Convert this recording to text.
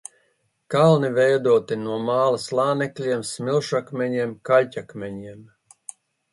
Kalni veidoti no māla slānekļiem, smilšakmeņiem, kaļķakmeņiem.